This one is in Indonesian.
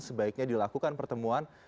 sebaiknya dilakukan pertemuan